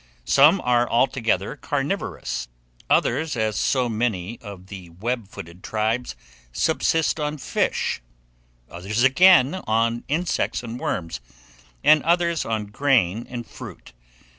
Some are altogether carnivorous; others, as so many of the web footed tribes, subsist on fish; others, again, on insects and worms; and others on grain and fruit.